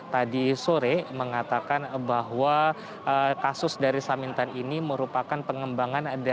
tadi sore mengatakan bahwa kasus dari samintan ini merupakan pengembangan